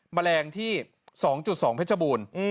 แมลงที่๒๒เพชบูล